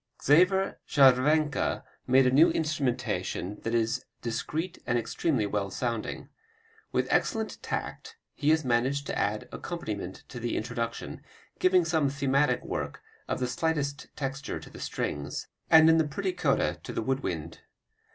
Xaver Scharwenka made a new instrumentation that is discreet and extremely well sounding. With excellent tact he has managed the added accompaniment to the introduction, giving some thematic work of the slightest texture to the strings, and in the pretty coda to the wood wind.